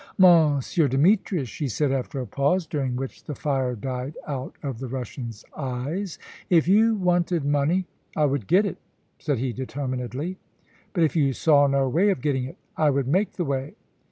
"Monsieur Demetrius," she said after a pause, during which the fire died out of the Russian's eyes, "if you wanted money " "I would get it," said he, determinedly. "But if you saw no way of getting it?" "I would make the way."